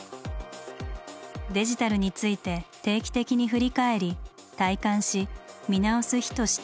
「デジタルについて定期的に振り返り体感し見直す日」として創設。